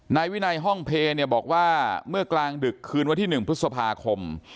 นายวินัยห้องเพลเนี่ยบอกว่าเมื่อกลางดึกคืนวันที่๑พฤษภาคม